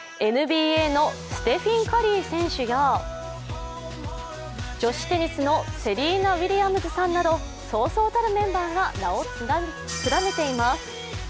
ＮＢＡのステフィン・カリー選手や女子テニスのセリーナ・ウィリアムズさんなどそうそうたるメンバーが名を連ねています。